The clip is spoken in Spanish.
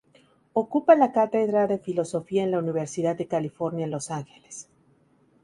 Ocupa la cátedra de filosofía en la Universidad de California en Los Ángeles.